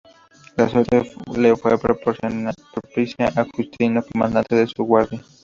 La suerte le fue propicia a Justino, comandante de su guardia.